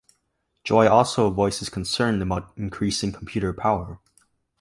Joy also voices concern about increasing computer power.